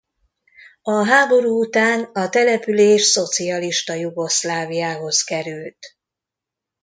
A háború után a település szocialista Jugoszláviához került.